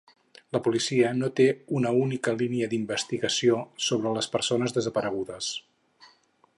La policia no té una única línia d'investigació sobre les persones desaparegudes.